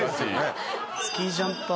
スキージャンパー